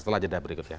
setelah jeda berikutnya